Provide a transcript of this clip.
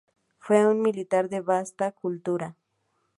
Fue un militar de vasta cultura.